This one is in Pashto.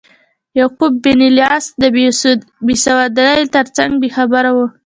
یعقوب بن لیث د بیسوادۍ ترڅنګ بې خبره و.